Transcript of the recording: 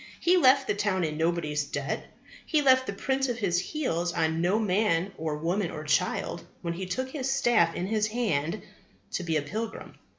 He left the town in nobody's debt. He left the print of his heels on no man or woman or child when he took his staff in his hand to be a pilgrim.